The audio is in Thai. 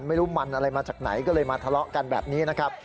ไม่รู้มันอะไรมาจากไหนก็เลยมาทะเลาะกันแบบนี้นะครับ